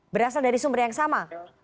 berasal dari sumber yang sama